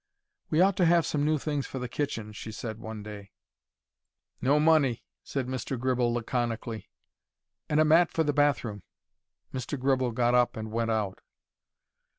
"We ought to have some new things for the kitchen," she said one day. "No money," said Mr. Gribble, laconically. "And a mat for the bathroom." Mr. Gribble got up and went out.